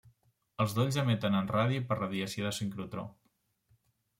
Els dolls emeten en ràdio per radiació de sincrotró.